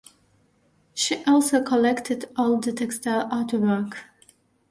She also collected older textile artwork.